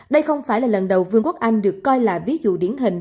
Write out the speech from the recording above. đây không phải là lần đầu vương quốc anh được coi là ví dụ điển hình